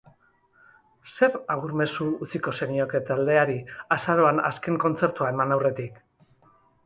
Zer agur mezu utziko zenioke taldeari, azaroan azken kontzertua eman aurretik?